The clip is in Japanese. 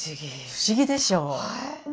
不思議でしょう。